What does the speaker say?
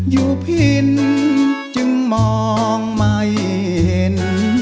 อยู่พินจึงมองไม่เห็น